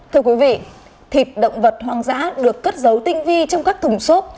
thưa quý vị thịt động vật hoang dã được cất giấu tinh vi trong các thùng xốp